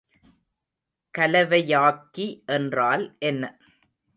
கலவையாக்கி என்றால் என்ன?